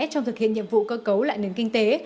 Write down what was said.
trong thực hiện nhiệm vụ cơ cấu lại nền kinh tế